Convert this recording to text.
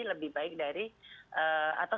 lebih baik dari atau